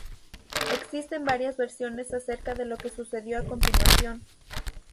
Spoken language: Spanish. Existen varias versiones acerca de lo que sucedió a continuación.